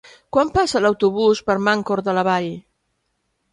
Quan passa l'autobús per Mancor de la Vall?